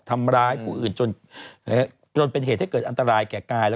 ทำร้ายผู้อื่นจนเป็นเหตุให้เกิดอันตรายแก่กาย